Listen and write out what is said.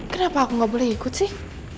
kenapa aku nggak boleh ikut sih